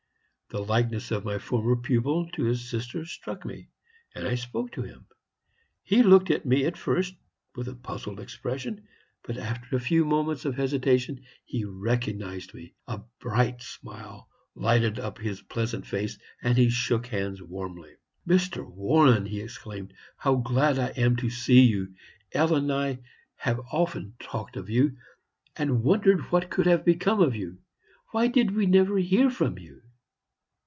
The likeness of my former pupil to his sister struck me, and I spoke to him. He looked at me at first with a puzzled expression, but after a few moments of hesitation he recognized me, a bright smile lighted up his pleasant face, and he shook hands warmly. "'Mr. Warren,' he exclaimed, 'how glad I am to see you! Ellen and I have often talked of you, and wondered what could have become of you. Why did we never hear from you?'